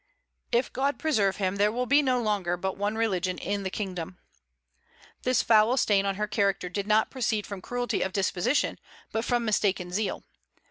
If God preserve him, there will be no longer but one religion in the kingdom." This foul stain on her character did not proceed from cruelty of disposition, but from mistaken zeal.